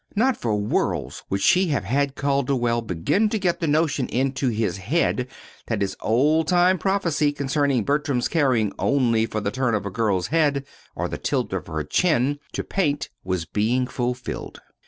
Not for worlds would she have had Calderwell begin to get the notion into his head that his old time prophecy concerning Bertram's caring only for the turn of a girl's head or the tilt of her chin to paint, was being fulfilled.